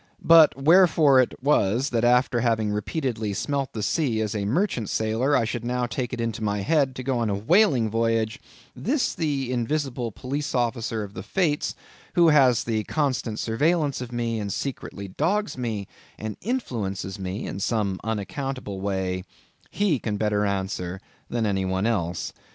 But wherefore it was that after having repeatedly smelt the sea as a merchant sailor, I should now take it into my head to go on a whaling voyage; this the invisible police officer of the Fates, who has the constant surveillance of me, and secretly dogs me, and influences me in some unaccountable way—he can better answer than any one else.